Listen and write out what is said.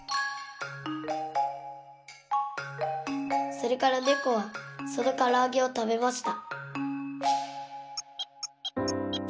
それからねこはそのからあげをたべました。